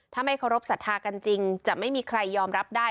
ถ้าไม่เคารพสัทธากันจริงจะไม่มีใครยอมรับได้